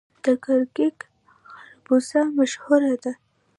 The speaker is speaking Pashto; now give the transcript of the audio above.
د ګرګک خربوزه مشهوره ده.